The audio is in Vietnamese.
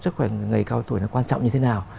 sức khỏe người cao tuổi là quan trọng như thế nào